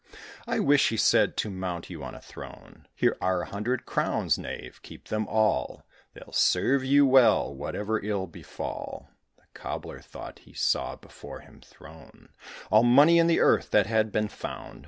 "I wish," he said, "to mount you on a throne; Here are a hundred crowns, knave keep them all, They'll serve you well, whatever ill befall." The Cobbler thought he saw before him thrown All money in the earth that had been found.